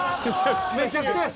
めちゃくちゃや。